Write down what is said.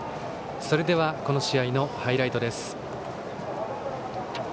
それではこの試合のハイライトです。